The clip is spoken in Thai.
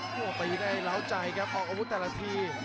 ต่อไปได้ล้าวใจครับออกอาวุธแต่ละที